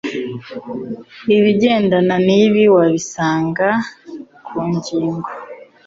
Ibigendana n’ibi wabisanga ku ngingo